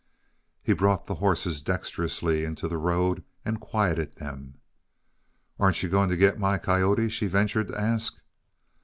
He brought the horses dexterously into the road and quieted them. "Aren't you going to get my coyote?" she ventured to ask.